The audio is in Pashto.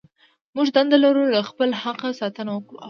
موږ دنده لرو له خپل حق ساتنه وکړو.